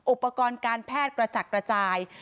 อุปกรณ์การแพทย์กระจัดกระจาย